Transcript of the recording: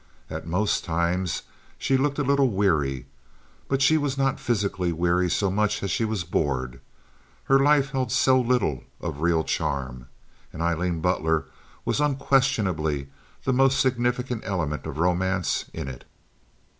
At most times she looked a little weary; but she was not physically weary so much as she was bored. Her life held so little of real charm; and Aileen Butler was unquestionably the most significant element of romance in it.